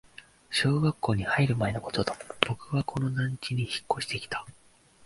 小学校に入る前のことだ、僕はこの団地に引っ越してきた